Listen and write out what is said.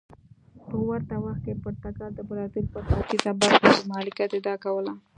په ورته وخت کې پرتګال د برازیل پر ختیځه برخه د مالکیت ادعا کوله.